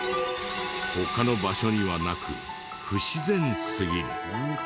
他の場所にはなく不自然すぎる。